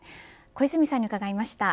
小泉さんに伺いました。